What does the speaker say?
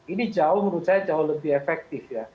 ini jauh menurut saya jauh lebih efektif ya